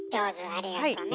ありがとね。